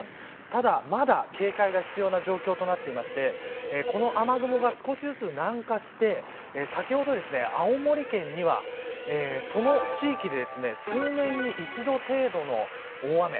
ただ、まだ警戒が必要な状況となっていましてこの雨雲が少しずつ南下して先ほど、青森県にはその地域で、数年に一度程度の大雨。